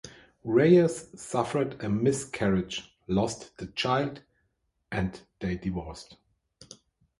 Reyes suffered a miscarriage, lost the child, and they divorced.